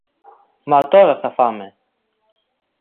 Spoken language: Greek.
Μα τώρα θα φάμε!